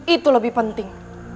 itu lebih penting